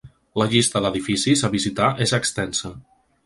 La llista d’edificis a visitar és extensa.